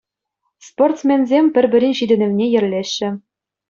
Спортсменсем пӗр-пӗрин ҫитӗнӗвне йӗрлеҫҫӗ.